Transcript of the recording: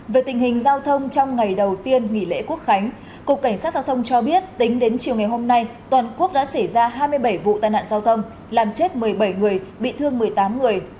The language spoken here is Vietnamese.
về tình hình giao thông trong ngày đầu tiên nghỉ lễ quốc khánh cục cảnh sát giao thông cho biết tính đến chiều ngày hôm nay toàn quốc đã xảy ra hai mươi bảy vụ tai nạn giao thông làm chết một mươi bảy người bị thương một mươi tám người